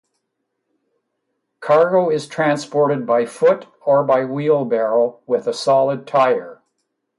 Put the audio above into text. Cargo is transported by foot or by a wheelbarrow with a solid tyre.